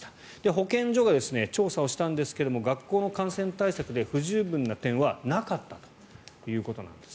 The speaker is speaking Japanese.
保健所が調査をしたんですが学校の感染対策で不十分な点はなかったということです。